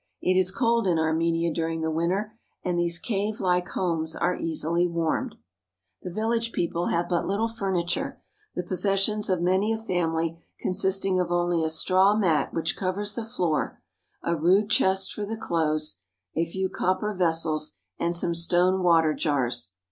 It is cold in Armenia during the win ter, and these cavelike homes are easily warmed. TRAVELS AMONG THE TURKS 363 The village people have but little furniture, the posses sions of many a family consisting of only a straw mat which covers the floor, a rude chest for the clothes, a few copper vessels, and some stone water jars.